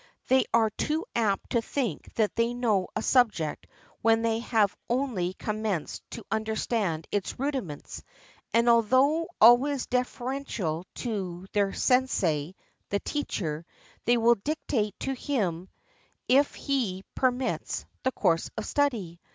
They are too apt to think they know a subject when they have only commenced to imderstand its rudiments; and although always deferential to their sensei, the teacher, they will dictate to him,' if he per mits, the course of study.